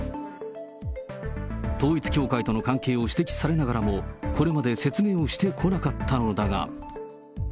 統一教会との関係を指摘されながらも、これまで説明をしてこなかったのだが。